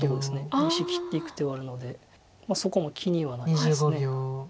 ２子切っていく手はあるのでそこも気にはなります。